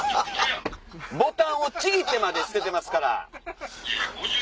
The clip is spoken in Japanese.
ボタンをちぎってまで捨ててますから。